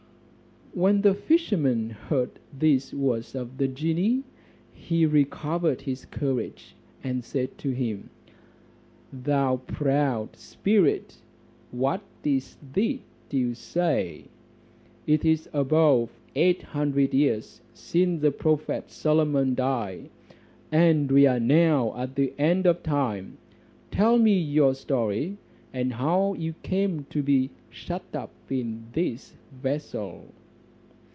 When the fisherman heard these words of the genie, he recovered his courage, and said to him, "Thou proud spirit, what is it you say? It is above eighteen hundred years since the prophet Solomon died, and we are now at the end of time. Tell me your history, and how you came to be shut up in this vessel."